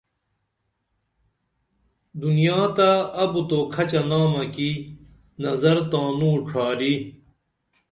دنیا تہ اُبتو کھچہ نامہ کی نظر تانوں ڇھاری